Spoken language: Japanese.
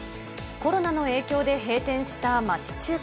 コロナの影響で閉店した町中華。